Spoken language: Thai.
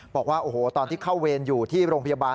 บอกว่าโอ้โหตอนที่เข้าเวรอยู่ที่โรงพยาบาล